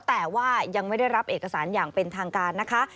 แต่ว่ายังไม่ได้รับเอกสารอย่างเป็นทางการนะคะ